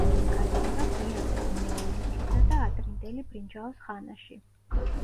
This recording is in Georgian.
გაჩნდა გვიანდელ ნეოლითისა და ადრინდელი ბრინჯაოს ხანაში.